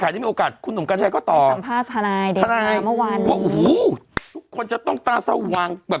พออาจจะมีโอกาสมากในเป็นประวัติ